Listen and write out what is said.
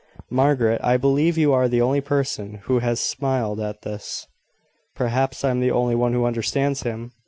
Margaret, I believe you are the only person who has smiled at this." "Perhaps I am the only one who understands him.